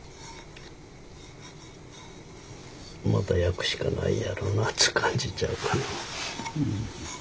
また焼くしかないやろうなっつう感じちゃうかな。